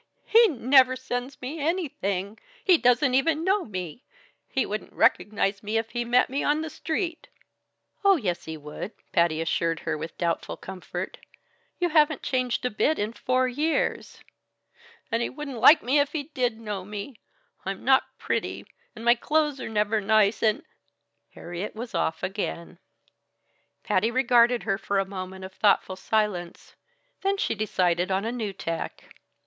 "He never sends me anything! He doesn't even know me. He wouldn't recognize me if he met me on the street." "Oh, yes, he would," Patty assured her with doubtful comfort. "You haven't changed a bit in four years." "And he wouldn't like me if he did know me. I'm not pretty, and my clothes are never nice, and " Harriet was off again. Patty regarded her for a moment of thoughtful silence, then she decided on a new tack.